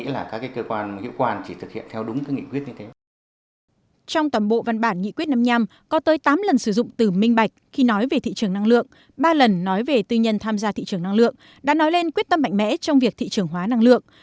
ba lần nói về thị trường năng lượng ba lần nói về tư nhân tham gia thị trường năng lượng đã nói lên quyết tâm mạnh mẽ trong việc thị trường hóa năng lượng